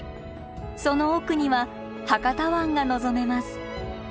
その奥には博多湾が望めます。